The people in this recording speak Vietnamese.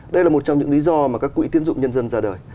đây là một trong những lý do mà các quỹ tiến dụng nhân dân ra đời